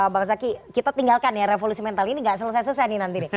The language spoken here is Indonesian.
bang zaky kita tinggalkan ya revolusi mental ini gak selesai selesai nih nanti nih